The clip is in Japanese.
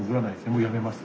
もうやめます。